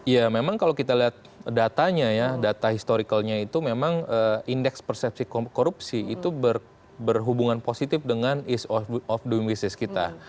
ya memang kalau kita lihat datanya ya data historicalnya itu memang indeks persepsi korupsi itu berhubungan positif dengan ease of doing business kita